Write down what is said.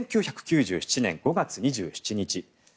１９９７年５月２７日